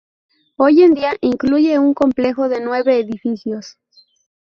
Hoy en día, incluye un complejo de nueve edificios.